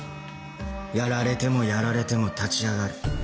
やられてもやられても立ち上がる。